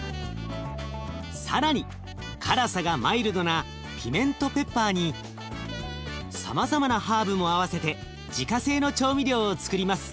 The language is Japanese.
更に辛さがマイルドなピメントペッパーにさまざまなハーブも合わせて自家製の調味料をつくります。